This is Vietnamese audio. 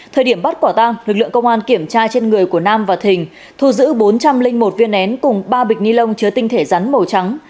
thời điểm bắt quả tang lực lượng công an kiểm tra trên người của nam và thình thu giữ bốn trăm linh một viên nén cùng ba bịch ni lông chứa tinh thể rắn màu trắng